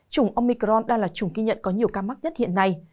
chủng omicron đang là chủng ghi nhận có nhiều ca mắc nhất hiện nay